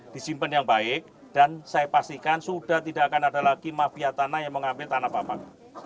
disimpan yang baik dan saya pastikan sudah tidak akan ada lagi mafia tanah yang mengambil tanah bapak